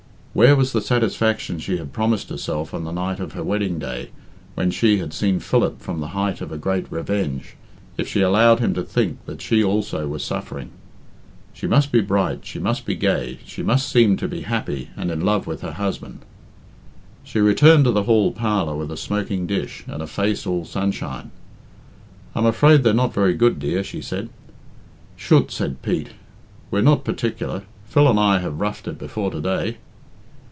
Where was the satisfaction she had promised herself on the night of her wedding day, when she had seen Philip from the height of a great revenge, if she allowed him to think that she also was suffering? She must be bright, she must be gay, she must seem to be happy and in love with her husband. She returned to the hall parlour with a smoking dish, and a face all sunshine. "I'm afraid they're not very good, dear," she said. "Chut!" said Pete; "we're not particular. Phil and I have roughed it before to day."